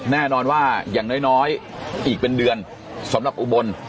แน่นอนว่าอย่างน้อยอีกเป็นเดือนสำหรับอุบล